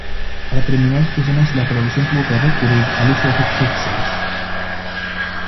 Para terminar sus escenas la producción tuvo que recurrir al uso de efectos especiales.